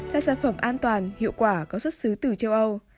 là sản phẩm an toàn hiệu quả có xuất xứ từ châu âu